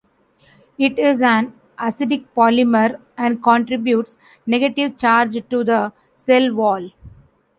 It is an acidic polymer and contributes negative charge to the cell wall.